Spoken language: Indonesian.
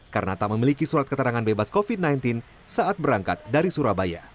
karena tak memiliki surat keterangan bebas covid sembilan belas saat berangkat dari surabaya